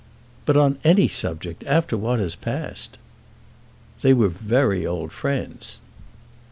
"But on any subject, after what has passed." "They were very old friends."